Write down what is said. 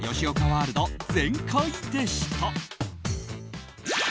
ワールド全開でした。